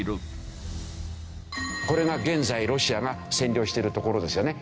これが現在ロシアが占領している所ですよね。